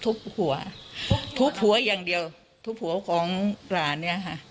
ทุบหัวทุบหัวอย่างเดียวทุบหัวของหลานเนี่ยค่ะ